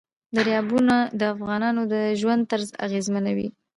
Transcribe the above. دریابونه د افغانانو د ژوند طرز اغېزمنوي.